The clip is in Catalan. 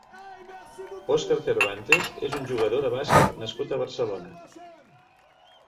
Óscar Cervantes és un jugador de bàsquet nascut a Barcelona.